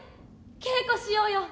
稽古しようよ。